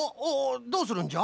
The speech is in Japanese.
どうするんじゃ？